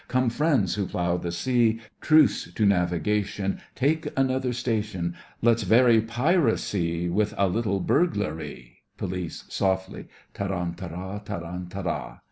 Come, friends, who plough the sea, Truce to navigation; Take another station; Let's vary piracee With a little burglaree! POLICE: (softly) Tarantara, tarantara!